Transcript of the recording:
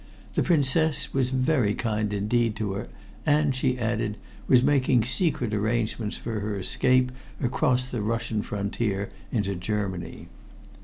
The Princess was very kind indeed to her, and, she added, was making secret arrangements for her escape across the Russian frontier into Germany.